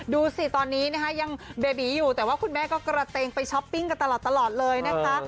ดูสิตอนนี้นะคะยังเบบีอยู่แต่ว่าคุณแม่ก็กระเตงไปช้อปปิ้งกันตลอดเลยนะคะ